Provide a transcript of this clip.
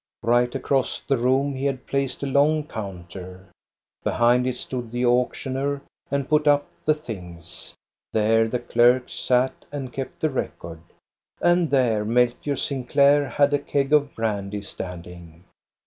Right across the room he had placed a long coun ter. Behind it stood the auctioneer and put up the things ; there the clerks sat and kept the record, and there Melchior Sinclair had a keg of brandy stand ing.